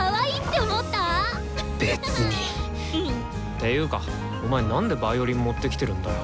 ていうかお前なんでヴァイオリン持ってきてるんだよ。